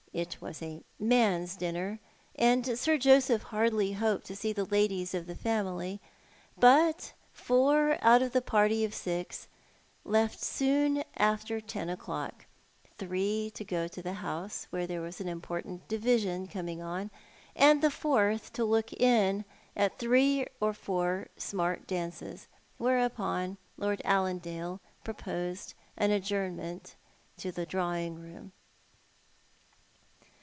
It was a man's dinner, and Sir Joseph hardly hoped to see the ladies of the family; but four out of the party of six left soon after ten o'clock — three to go to the House, where there was an important division coming on, and the fourth to look in at throe or four smart dances — whereupon Lord Allandale proposed an adjournment to the drawing room.